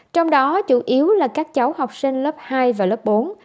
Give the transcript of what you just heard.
trong đó chủ yếu là các cháu học sinh lớp hai và lớp bốn